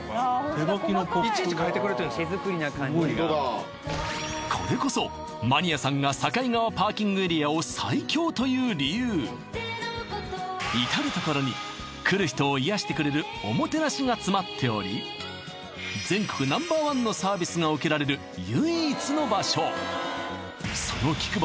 手描きのポップがすごいなこれこそマニアさんが境川パーキングエリアを最強と言う理由至る所に来る人を癒やしてくれるおもてなしが詰まっておりが受けられる唯一の場所